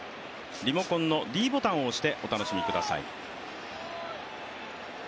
リモコンのｄボタンを押してお楽しみください。